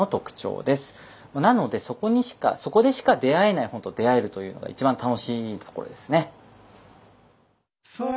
なのでそこでしか出会えない本と出会えるというのが一番楽しいところですね。